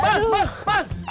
tuh ambil saya curut